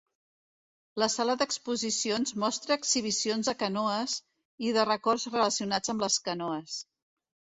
La sala d'exposicions mostra exhibicions de canoes i de records relacionats amb les canoes.